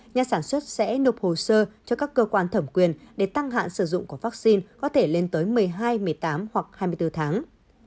nhà sản xuất sẽ nộp hồ sơ cho các cơ quan thẩm quyền để tăng hạn sử dụng của vaccine có thể lên tới một mươi hai một mươi tám hoặc hai mươi bốn tháng